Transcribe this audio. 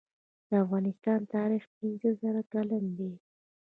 د افغانستان تاریخ پنځه زره کلن دی